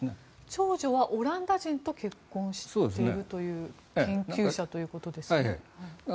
長女はオランダ人と結婚したという研究者ということですね。